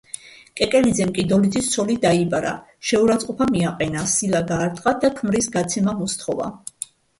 კეკელიძემ კი დოლიძის ცოლი დაიბარა, შეურაცხყოფა მიაყენა, სილა გაარტყა და ქმრის გაცემა მოსთხოვა.